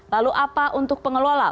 lalu apa untuk pengelola